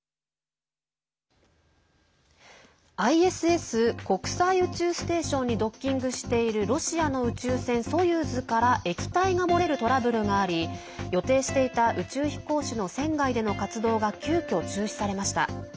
ＩＳＳ＝国際宇宙ステーションにドッキングしているロシアの宇宙船ソユーズから液体が漏れるトラブルがあり予定していた宇宙飛行士の船外での活動が急きょ中止されました。